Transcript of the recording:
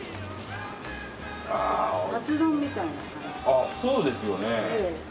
あっそうですよね。